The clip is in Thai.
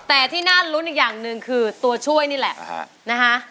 แต่ที่น่ารุ้นอีกอย่างหนึ่งคือตัวช่วยนี่แหละนะคะ